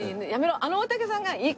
あの大竹さんが「いいか？